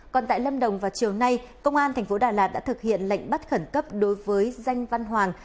còn tại lâm đồng vào chiều nay công an tp đà lạt đã thực hiện lệnh bắt khẩn cấp đối với danh văn hoàng